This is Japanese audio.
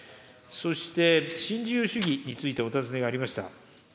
そして、新自由主義についてお尋ねがありました。